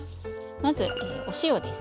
まずお塩です。